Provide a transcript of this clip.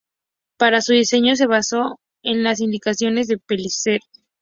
Para su diseño se basó en las indicaciones de Pellicer.